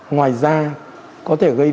ngoài ra có thể gây